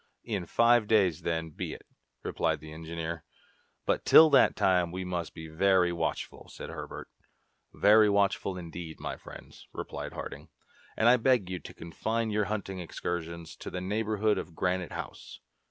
"In five days, then, be it," replied the engineer. "But till that time we must be very watchful," said Herbert. "Very watchful indeed, my friends," replied Harding; "and I beg you to confine your hunting excursions to the neighbourhood of Granite House."